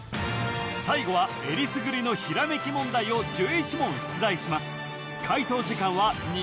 最後は選りすぐりのひらめき問題を１１問出題します